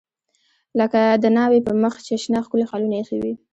لکه د ناوې په مخ چې شنه ښکلي خالونه ایښي وي.